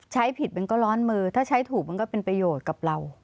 ใช้ผิดเมื่องก็ร้อนมือถ้าใช้ถูกถ้างั้นเป็นประโยชน์กับเรา